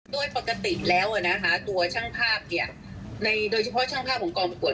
โดยปกติแล้วนะคะตัวช่างภาพเนี่ยโดยเฉพาะช่างภาพของกองประกวด